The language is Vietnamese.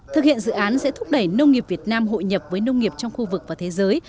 thực hiện dự án sẽ thúc đẩy nông nghiệp việt nam hội nhập với nông nghiệp trong khu vực và thế giới